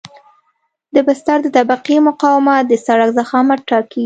د بستر د طبقې مقاومت د سرک ضخامت ټاکي